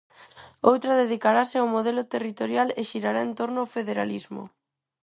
Outra dedicarase ao modelo territorial e xirará en torno ao federalismo.